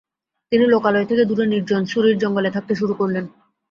তিনি লোকালয় থেকে দূরে নির্জন সূরীর জঙ্গলে থাকতে শুরু করলেন।